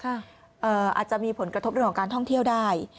อาจจะมีผลกระทบเรื่องของการท่องเที่ยวได้